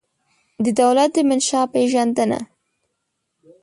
د دولت د منشا پېژندنه